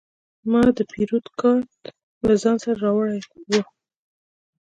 ما د پیرود کارت له ځان سره راوړی و.